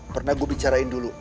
pernah gua bicarain dulu